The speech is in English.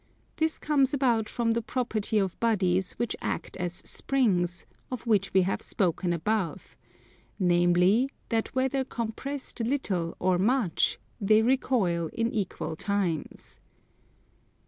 This comes about from the property of bodies which act as springs, of which we have spoken above; namely that whether compressed little or much they recoil in equal times.